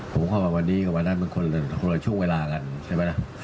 ผมเข้ามาวันนี้กับวันนั้นมันคนละช่วงเวลากันใช่ไหมล่ะ